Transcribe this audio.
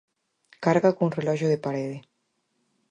Carga cun reloxo de parede.